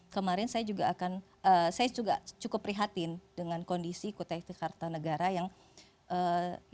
kemarin saya juga cukup prihatin dengan kondisi kutai kartonegara yang kita tahu itu suatu kondisi yang lebih korupsional untuk kota itu